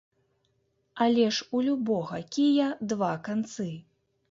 Але ж у любога кія два канцы.